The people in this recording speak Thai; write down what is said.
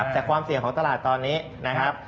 แต่ความเสี่ยงของตลาดตอนนี้นะครับ